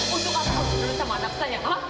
untuk apa kamu bersama anak saya